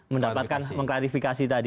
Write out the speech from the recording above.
mendapatkan mengklarifikasi tadi